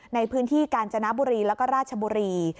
ในพื้นที่กาญจนบุรีแล้วก็ราชบุรี